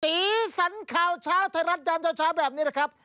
สีสันข่าวเช้าไทยรัฐยามเช้าแบบนี้นะครับ